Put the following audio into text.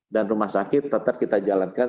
dan rumah sakit tetap kita jalankan